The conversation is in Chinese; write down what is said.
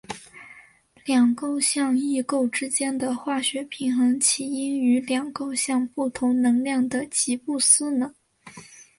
两构象异构之间的化学平衡起因于两构象不同能量的吉布斯能。